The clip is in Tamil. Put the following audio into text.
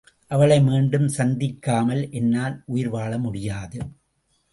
அவளை மீண்டும் சந்திக்காமல் என்னால் உயிர் வாழ முடியாது.